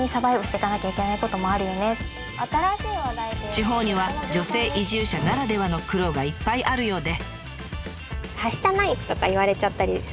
地方には女性移住者ならではの苦労がいっぱいあるようで。